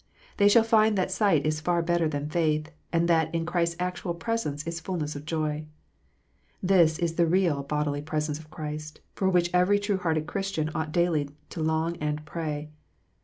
They shall find that sight is far better than faith, and that in Christ s actual presence is fulness of joy. This is the real bodily presence of Christ, for which every true hearted Christian ought daily to long and pray.